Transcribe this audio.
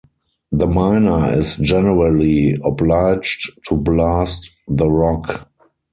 The miner is generally obliged to blast the rock.